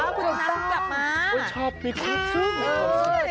อ๋อคุณต้องกลับมาคุณชอบมีคุณเชื่อมคุณชอบ